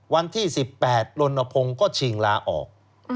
วันที่๑๘ลนพงศ์ก็ชิงลาออก